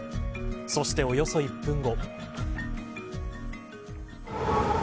そして、およそ１分後。